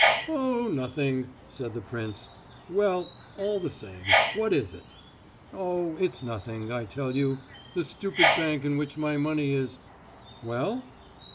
"Oh, nothing," said the prince. "Well, but all the same, what is it?" "Oh, it's nothing, I tell you. The stupid bank in which my money is...." "Well?"